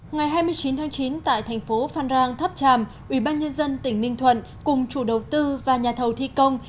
ngày hai mươi chín tháng chín tại thành phố phan rang tháp tràm ubnd tỉnh ninh thuận cùng chủ đầu tư và nhà thầu thi công